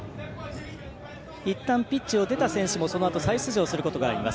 いったんピッチを出た選手も再出場することがあります。